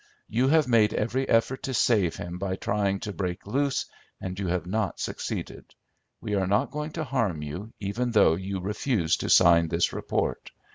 You have made every effort to save him by trying to break loose, and you have not succeeded. We are not going to harm you, even though you refuse to sign this report.